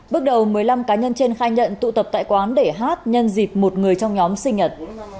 bước đầu một mươi năm cá nhân trên khai nhận tụ tập tại quán để hát nhân dịp một người trong nhóm sinh nhật